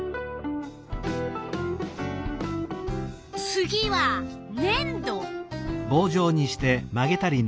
次はねん土。